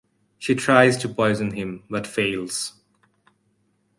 She tries to poison him, but fails.